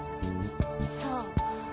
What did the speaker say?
そう。